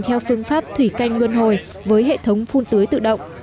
theo phương pháp thủy canh luôn hồi với hệ thống phun tưới tự động